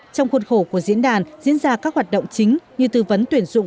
trong khuôn khổ của diễn đàn diễn ra các hoạt động chính như tư vấn tuyển dụng